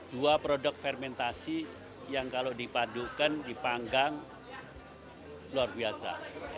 dua produk fermentasi yang kalau dipadukan dipanggang luar biasa